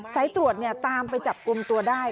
สายตรวจตามไปจับกลุ่มตัวได้